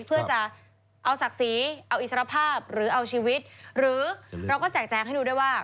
เพื่อจะเอาศักดิ์ศรีเอาอิสรภาพหรือเอาชีวิตหรือเราก็แจกแจงให้ดูด้วยว่า